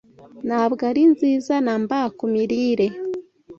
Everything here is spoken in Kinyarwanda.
Ntabwo ari nziza na mba ku mirire.